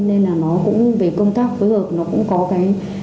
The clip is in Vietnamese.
nên là nó cũng về công tác phối hợp nó cũng có cái